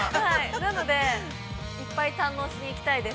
◆なので、いっぱい堪能しに行きたいです。